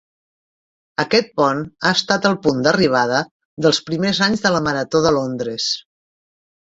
Aquest pont ha estat el punt d'arribada dels primers anys de la Marató de Londres.